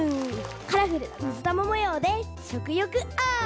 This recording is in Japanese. カラフルみずたまもようでしょくよくアップ！